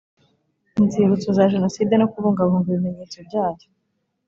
inzibutso za jenoside no kubungabunga ibimenyetso byayo